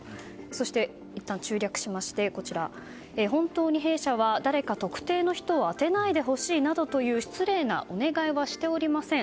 そして、いったん中略しまして本当に弊社は誰か特定の人を当てないでほしいなどという失礼なお願いはしておりません。